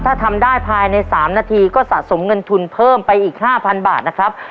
ถ้าทำได้ภายใน๓นาทีก็สะสมเงินทุนเพิ่มไปอีก๕๐๐บาทนะครับ